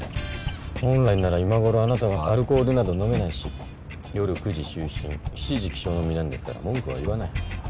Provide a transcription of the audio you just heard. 本来なら今頃あなたはアルコールなど飲めないし夜９時就寝７時起床の身なんですから文句は言わない。